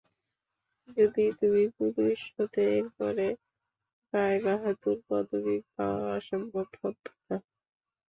যদি তুমি পুরুষ হতে, এর পরে রায়বাহাদুর পদবী পাওয়া অসম্ভব হত না।